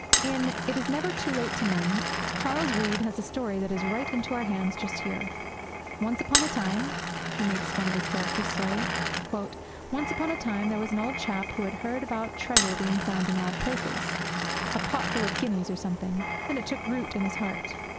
In It is Never Too Late to Mend, Charles Reade has a story that is right into our hands just here. 'Once upon a time,' he makes one of his characters say, 'once upon a time there was an old chap who had heard about treasure being found in odd places, a pot full of guineas or something; and it took root in his heart.